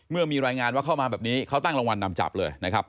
เมื่อมีรายงานว่าเข้ามาแบบนี้เขาตั้งรางวัลนำจับเลยนะครับ